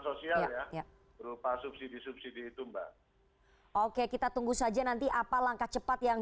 sosial ya berupa subsidi subsidi itu mbak oke kita tunggu saja nanti apa langkah cepat yang